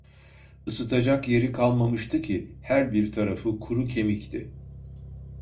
Isıtacak yeri kalmamıştı ki, her bir tarafı kuru kemikti.